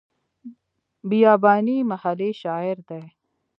بیاباني محلي شاعر دی.